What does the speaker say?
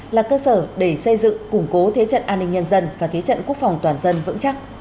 là cơ sở để xây dựng củng cố thế trận an ninh nhân dân và thế trận quốc phòng toàn dân vững chắc